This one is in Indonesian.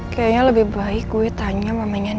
kayaknya lebih baik gue tanya mamenya nino